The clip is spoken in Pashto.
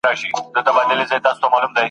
هر گړی راته تر سترگو سترگو کېږې ..